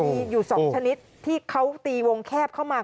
มีอยู่๒ชนิดที่เขาตีวงแคบเข้ามา